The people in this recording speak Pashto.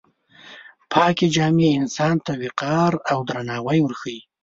پاکې جامې انسان ته وقار او درناوی وربښي.